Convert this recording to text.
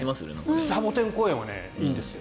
シャボテン公園はいいんですよ。